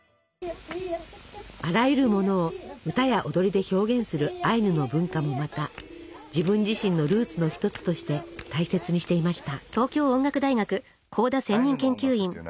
あらゆるものを歌や踊りで表現するアイヌの文化もまた自分自身のルーツの一つとして大切にしていました。